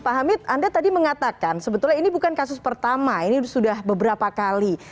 pak hamid anda tadi mengatakan sebetulnya ini bukan kasus pertama ini sudah beberapa kali